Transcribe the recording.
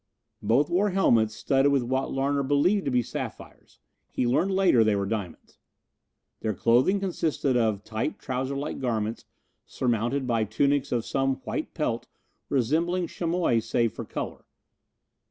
Both wore helmets studded with what Larner believed to be sapphires. He learned later they were diamonds. Their clothing consisted of tight trouserlike garments surmounted by tunics of some white pelt resembling chamois save for color.